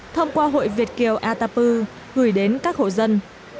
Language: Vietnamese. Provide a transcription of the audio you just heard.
thông qua hội việt kiều atapu gửi đến các hộ dân